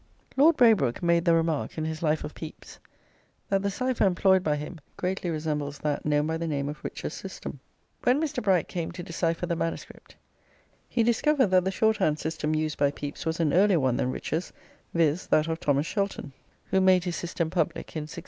Lord Braybrooke made the remark in his "Life of Pepys," that "the cipher employed by him greatly resembles that known by the name of 'Rich's system.'" When Mr. Bright came to decipher the MS., he discovered that the shorthand system used by Pepys was an earlier one than Rich's, viz., that of Thomas Shelton, who made his system public in 1620.